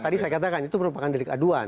tadi saya katakan itu merupakan delik aduan